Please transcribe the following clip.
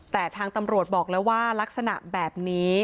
แต่ทางตำรวจบอกแล้วว่ารักษณะแบบนี้